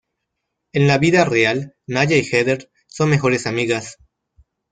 En la vida real Naya y Heather son mejores amigas.